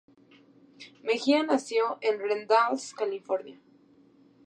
Mejia nació en Redlands, California.